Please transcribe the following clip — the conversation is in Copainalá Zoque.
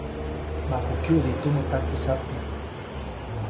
Maku kyuʼdi tumä takisyapne.